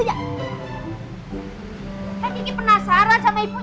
saya kiki penasaran sama ibu juga penasaran pasti